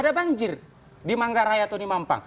ada banjir di manggarai atau di mampang